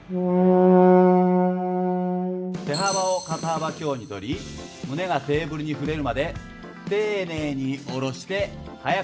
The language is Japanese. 手幅を肩幅強にとり胸がテーブルに触れるまで丁寧に下ろして速く上げます。